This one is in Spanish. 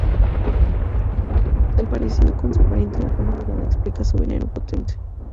El parecido con su pariente la rana dorada explica su veneno potente.